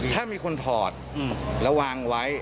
ถ้ามีคนถอดแล้ววางไว้